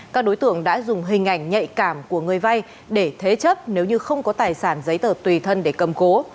các đối tượng đã dùng hình ảnh nhạy cảm của người vay để thế chấp nếu như không có tài sản giấy tờ tùy thân để cầm cố